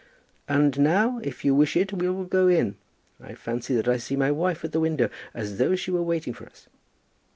"And now, if you wish it, we will go in. I fancy that I see my wife at the window, as though she were waiting for us."